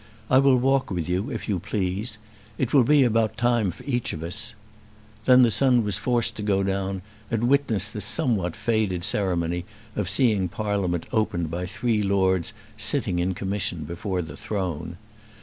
I will walk with you if you please. It will be about time for each of us." Then the son was forced to go down and witness the somewhat faded ceremony of seeing Parliament opened by three Lords sitting in commission before the throne.